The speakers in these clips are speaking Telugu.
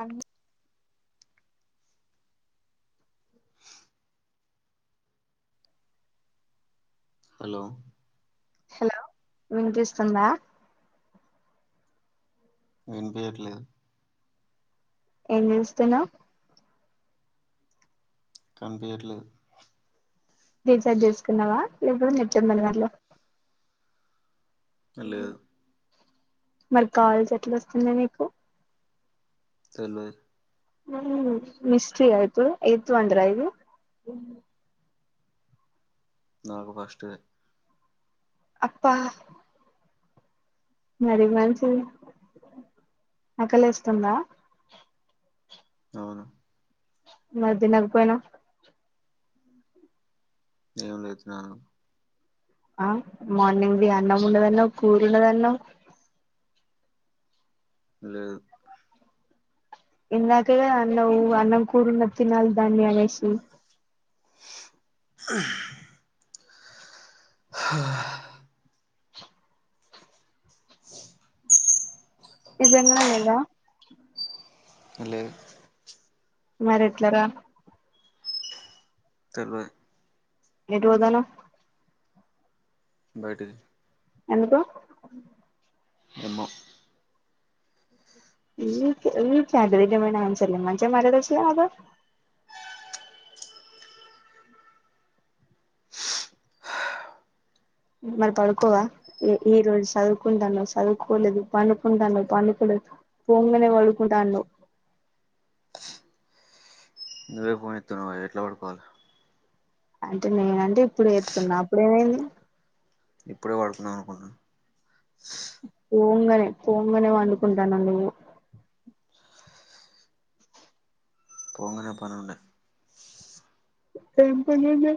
అంది హలో హలో విన్పిస్తుందా విన్పియట్లేదు ఏం చేస్తున్నవ్ కన్పియట్లేద్ రీచార్జ్ చేసుకున్నావా లేకపోతే నెట్ ఉందా నిదాంట్లో అ లే మరి కాల్స్ ఎట్లస్తున్నాయ్ నీకు తెల్వది ఉమ్ మిస్త్రీ ఆ ఇప్పుడు ఎయిత్ వండర ఇది నాకు ఫస్టే అక్పా మరి మంచిది అకలేస్తుందా అవును మాదినక్ పోయినవ్ నేవ్ లేచినా ఆ మార్నింగ్ది అన్నం ఉన్నదన్నావ్ కూర్ ఉన్నదన్నావ్ లేదు ఇందాకే కద అన్నావ్ అన్నం కూరున్నద్ తినాల్ దాన్ని అనేషి హుమ్ హా నిజంగనే లేదా ఉహ్ లేదు మరేట్ల రా తెల్వది ఎటు వోతన్నావ్ బైటికి ఎందుకు ఎమో ఈక్ ఈక్ సతలేక ఏమైనా సరిగా మంచిగా మాట్లాడచ్చుగ నాతో మరి పడుకోవా ఈ రోజు చదువుకుంటాన్నావ్ చదువుకోలేదు పండుకుంటాను పండుకోలేదు పొంగనే వడుకుంట అన్నవ్ నువ్వే ఫోన్ ఎత్తున్నావై ఎట్ల పడుకోవాలే అంటే నేనంటే ఇప్పుడు ఎతున్నా అప్పుడేమైంది ఇప్పుడే పడుకున్నవ్ అనుకున్నా పోంగనే పోంగనే వండుకుంటానవ్ నువ్వు పోంగనే పనిండ ఎం పనుండే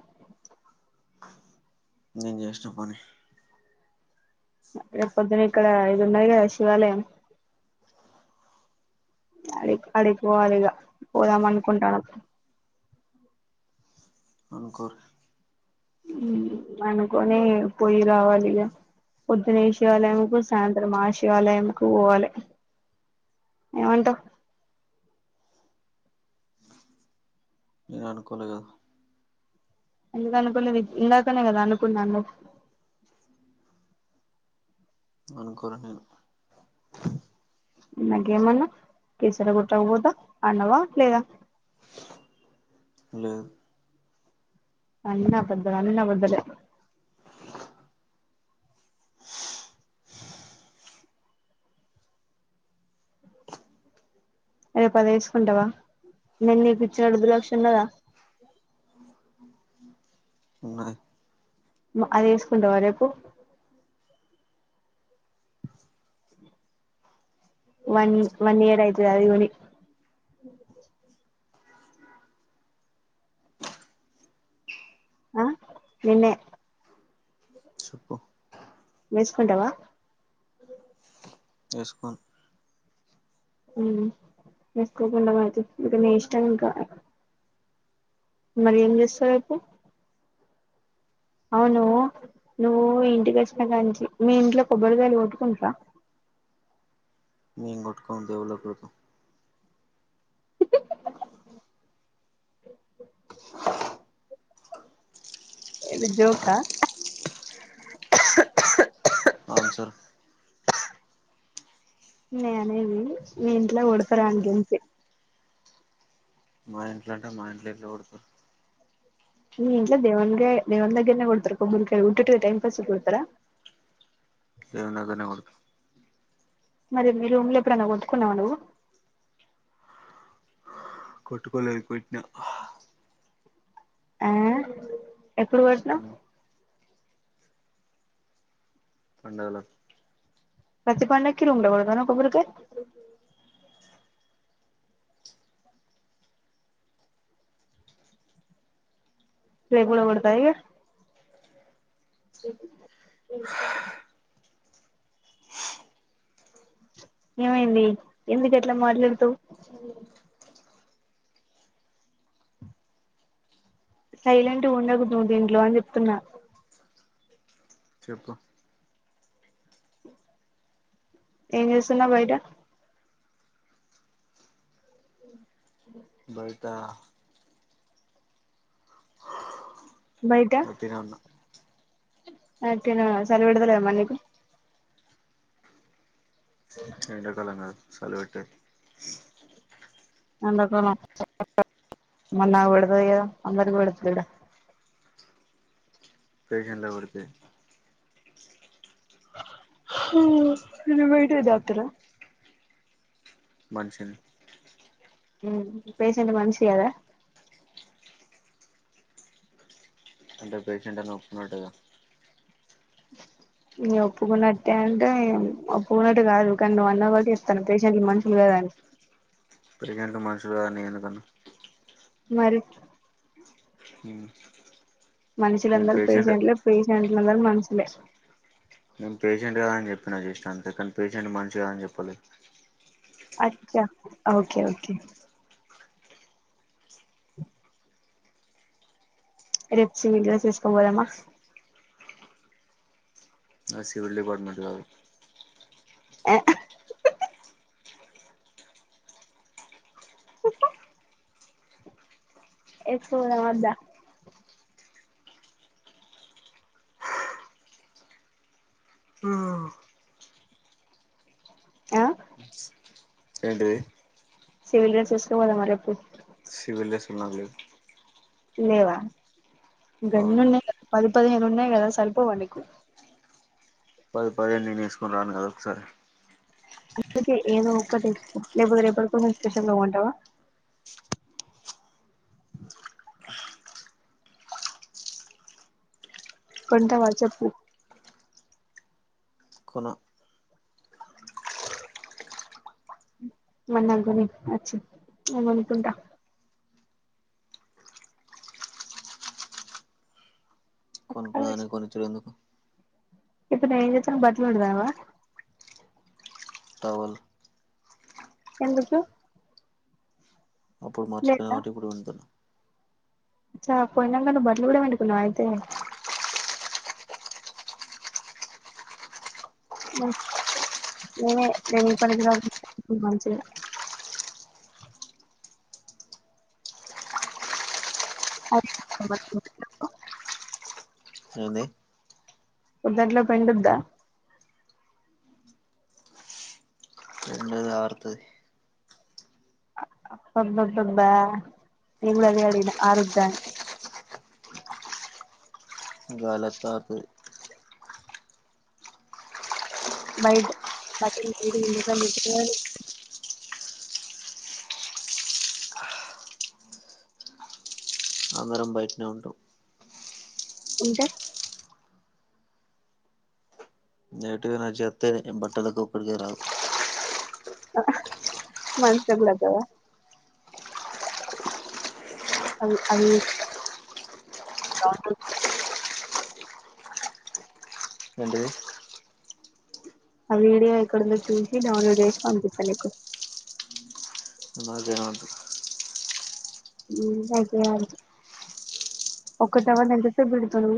నేను జేసిన పని రేపు పొద్దున ఇక్కడ ఇది ఉన్నాయి కదా శివాలయం అడి అడిపోవాలిగా పోదాం అనుకుంటానమ్ అనుకోర్రి అనుకోనే పొయి రావాలిగా పొద్దున ఈ శివాలయం కు సాయంత్రం ఆ శివాలయం కు పోవాలి ఏమంటావ్ నేను అనుకోలే కదా ఎందుకనుకున్నది ఇందాకనే కదా అనుకున్నా అన్నవ్ అనుకోలే నీ ను ఇందాక ఏమన్నావ్ కీసరగుట్ట పోతా అన్నావా లేదా లేదు అన్ని అబద్ధాలు అన్ని అబద్ధాలే రేపుది వేసుకుంటావా నేను నీకు ఇచ్చిన రుద్రాక్ష ఉన్నదా ఉన్నది అది వేసుకుంటావా రేపు వన్ వన్ ఇయర్ అయితుద అదిగొని ఆ నిన్నే చెప్పు వేసుకుంటావా వేసుకోను వేసుకోకుండా మాయే తియ్ ఇక నీ ఇష్టం ఇక మరి ఏం చేస్తావ్ రేపు అవును నువ్వు ఇంటికి వచ్చినా కాంచి మీ ఇంట్లో కొబ్బరికాయలి కొట్టుకుంటార మీ కొట్టుకోం దేవుళ్లకు కొడతం ఏది జోకా ఆన్సర్ నే అనేది మీ ఇంట్లో కొడతరా అని గంతే మా ఇంట్లో అంటే మా ఇంట్లో ఎందుకు కొడతాం మీ ఇంట్లో దేవునికి దేవుని దగ్గర నీ కొడతారు కొబ్బరికాయలు ఉత్తుత్తిగా టైం పాస్ కు కొడతారా దేవుని దగ్గరనే కొడదాం మరి మీరుమ్ల ఎప్పుడున్నా కొట్టుకున్నవా నువ్వు కొట్టుకోలేదు కొట్టిన ఆ ఎప్పుడు కొట్టినవ్ పండగల ప్రతి పండక్కి కొడతారా కొబ్బరికాయ రేపు గూడ కొడతవా ఇగ ఏమైంది ఎందుకు ఎట్లా మాట్లాడతావ్ సైలెంట్ గ ఉండకు నువ్ దీంట్లో అని చెప్తున్నా చెప్పు ఏం చేస్తున్నావ్ బయట ఉ బయట వట్టినే ఉన్న వట్టిగనే ఉన్నావు చలి పెడతలేదా మరి నీకు ఎండాకాలం కదా చలి పెట్టదు ఎండాకాలం మరి నాకు పెడుతది కదా అందరికీ పెడతా లేదా పేషెంట్లు ఎవరు లేరు నువ్వేంటిది డాక్టర్ ఆ మనిషిని పేషంటు మనిషి కాదా అంటే పేషెంట్ అని ఒప్పుకున్నట్టే కదా ఇంగా ఒప్పుకున్నట్టే అంటే ఒప్పుకున్నట్టు కాదు కానీ నువ్వు అన్నావ్ కాబట్టి చెప్తాను పేషెంట్లు మనుషులు కాదా అని పేషెంట్లు మనుషులు కాదని నేనెందుకన్నా మరి ఊ మనుషులందరూ పేషంట్లే పేషంట్లందరూ మనుషులే నేను పేషెంట్ కదా అని చెప్పిన జస్ట్ అంతేకానీ పేషెంట్ మనుషు కాదని చెప్పలే అచ్చ ఓకే ఓకే రేపు సివిల్ డ్రెస్ వేసుకొని పోదామా నాది సివిల్ డిపార్ట్మెంట్ కాదు ఆ ఏసుకుపోదామా వద్దా ఆ ఏంటిది సివిల్ డ్రెస్ వేస్కపోదామా రేపు సివిల్ డ్రెస్సులు నాకు లేవు లేవా అవును గన్నున్నాయిగా పది పదిహేను ఉన్నాయి గదా సరిపోవా నీకు పది పదిహేను నేను వేసుకోని రాను కదా ఒకసారి అందుకే ఏదో ఒకటి లేకపోతే రేపటికి నువ్వు స్పెషల్గా పో ఉంటావా కొంటావా చెప్పు కొన మరి నాకు కొనియ్యి వచ్చి నేను కొనుక్కుంటా ఒక్క నీ కొనుక్కున్నదానికి కొనిచ్చుడు ఎందుకు ఇప్పుడు నువ్వు ఏం చేస్తున్నావ్ బట్టలు పిండుతానవా టవల్ ఎందుకు అప్పుడు మర్చిపోయిన కాబట్టి ఇప్పుడు పిండుతా అచ్చ పోయినంక నువ్వు బట్టలు కూడా పిండుకున్నవా అయితే నేనే దేనికి పనికి రాకుండా మంచిగా అదే ఏసుకుందువు పిండేసుకో ఏంది పొద్దట్లోపు ఎండుద్దా ఎండది ఆరుతది అబ్బబ్బబ్బబా నేను కూడా అదే అడిగిన ఆరుద్దా అని గాలి అత్తంది బయట బట్టలు గిట్ల ఏం పిండకు అని చెప్పిన కదా నే అందరం బయటనే ఉన్నాం ఇంకా. నెగటివ్ ఎనర్జీ అత్తది, బట్టలకి ఒక్కడికే రాదు. మన్సులాక్ గూడ అత్తదా. అవి అవి. [inaudible] ఏంటిది. ఆ వీడియో ఎక్కడుందో చూసి, డౌన్లోడ్ జేసి పంపిత్త నీకు. నాకేనా ఉమ్ మంచిగానే ఆలోచ్చి, ఒకటవ నెంతసేప్ బెడుతుంది.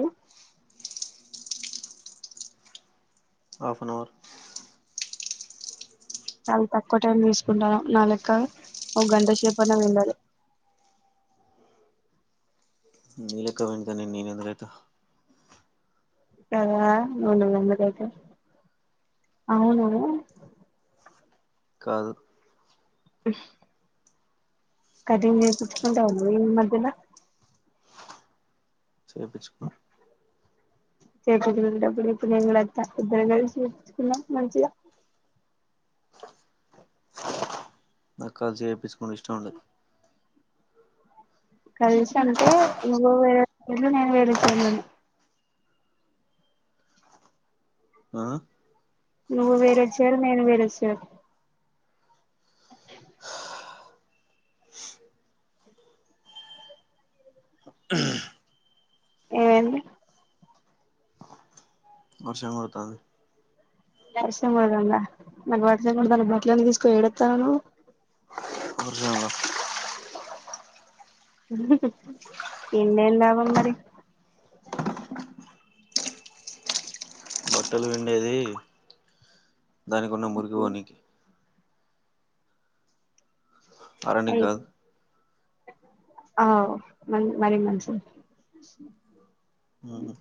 హాఫ్ అన్ అవర్ చాలా తక్కువ టైం తీసుకుంటాన్నవ్. నా లెక్క ఒక గంట సేపన్న పిండాలే. నీలెక్క పిండుతే, నేన్ నేనేందుకైత. కదా, నువ్ నేన్ఎందుకుకైతావ్. అవును కాదు కటింగ్ జేపించుకుంటావా, నువ్ ఈ మధ్యలా? జేపించ్కోన్. చేపిచ్చుకొనేటప్పుడు చెప్పు నేన్ గూడ అత్తా. ఇద్దరం గల్సి చేపించుకుందాం, మంచిగా. నాకు కల్సి చేపించుకునుడు ఇష్టం ఉండది. కల్సి అంటే నువ్వు వేరే చైర్, నేను వేరే చెర్లనే. ఆ నువ్వు వేరే చైర్, నేను వేర చైర్. ఏమైంది. వర్షం గొడ్తాంది. వర్షం గొడ్తంతందా. మరి వర్షం గొడ్తంతాన్టే బట్టలన్నీ తీసుకోపొయ్యి ఏడేత్తన్నవ్ నువ్. వర్షంలో పిండెమ్ లాభం మరి. బట్టలు పిండేది దానికి ఉన్న మురికి పోనీకి [unintelligible] అరానిక్ గాదు. అవ్ మన్ మరి మంచిది. ఉహుమ్.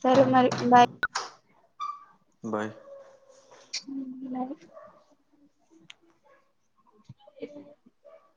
సరే మరి బాయ్. బాయ్ ఉమ్ బాయ్. [inaudible]